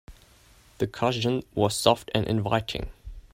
The cushion was soft and inviting.